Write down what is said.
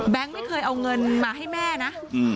ไม่เคยเอาเงินมาให้แม่นะ